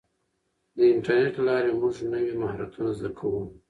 د انټرنیټ له لارې موږ نوي مهارتونه زده کوو.